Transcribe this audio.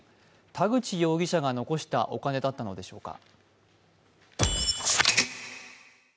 田口容疑者が残したお金だったのでしょうか。